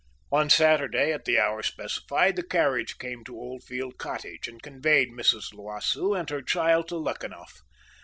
On Saturday, at the hour specified, the carriage came to Old Field Cottage, and conveyed Mrs. L'Oiseau and her child to Luckenough.